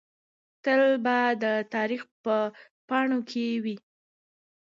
تل به د تاریخ په پاڼو کې وي.